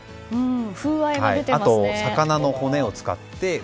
あと、魚の骨を使って。